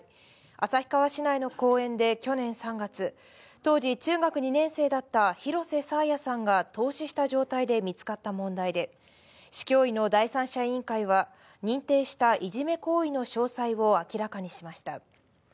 旭川市内の公園で去年３月、当時中学２年生だった廣瀬爽彩さんが凍死した状態で見つかった問題で、市教委の第三者委員会は、認定したいじめ行為の詳細を明らかにしました。